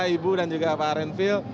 ibu dan juga pak renvil